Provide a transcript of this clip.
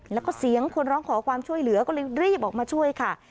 แล้วก็เสียงคนร้องขอความช่วยเหลือก็เลยรีบออกมาช่วยค่ะ